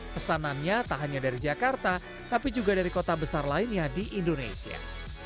pesanannya tak hanya dari jakarta tapi juga dari kota besar lainnya di indonesia